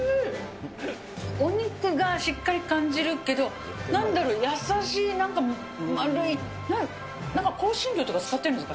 お肉がしっかり感じるけど、なんだろう、優しいなんか丸い、なんか香辛料とか使ってるんですか？